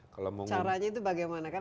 caranya itu bagaimana